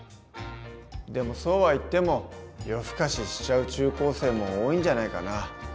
でもそうはいっても夜更かししちゃう中高生も多いんじゃないかな？